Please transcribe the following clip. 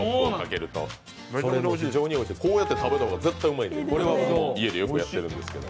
こうやって食べた方が絶対うまい、家でやってるんですけど。